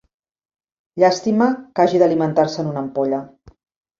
Llàstima que hagi d'alimentar-se en una ampolla.